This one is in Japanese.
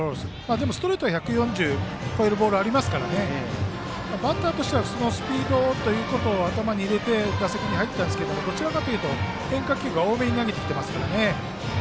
でもストレートは、１４０を超えるボールはありますからバッターとしてはそのスピードということを頭に入れて、打席に入っていたんですがどちらかというと変化球を多めに投げてきていますからね。